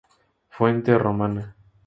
Fuente romana.